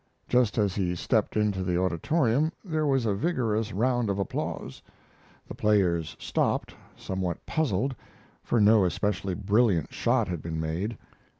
Just as he stepped into the auditorium there was a vigorous round of applause. The players stopped, somewhat puzzled, for no especially brilliant shot had been made.